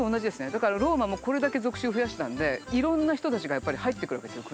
だからローマもこれだけ属州を増やしたんでいろんな人たちがやっぱり入ってくるわけですよ